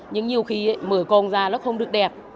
nhưng nhiều khi mở cong ra nó không được đẹp